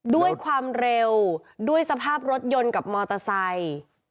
ด้วยความเร็วด้วยสภาพรถยนต์กับมอเตอร์ไซค์